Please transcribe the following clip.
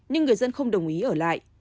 nhưng người dân không đồng ý ở lại